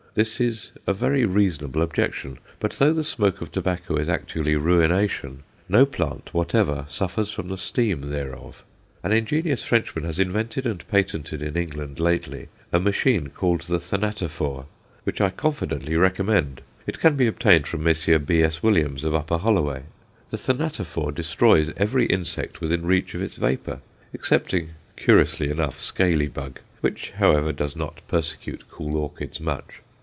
This is a very reasonable objection. But though the smoke of tobacco is actual ruination, no plant whatever suffers from the steam thereof. An ingenious Frenchman has invented and patented in England lately a machine called the Thanatophore, which I confidently recommend. It can be obtained from Messrs. B.S. Williams, of Upper Holloway. The Thanatophore destroys every insect within reach of its vapour, excepting, curiously enough, scaly bug, which, however, does not persecute cool orchids much.